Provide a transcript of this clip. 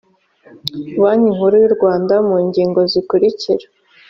banki nkuru y u rwanda mu ngingo zikurikira